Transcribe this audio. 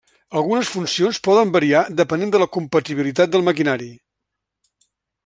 Algunes funcions poden variar depenent de la compatibilitat del maquinari.